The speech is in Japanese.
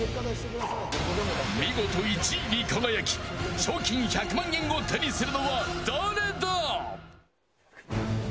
見事１位に輝き賞金１００万円を手にするのは誰だ？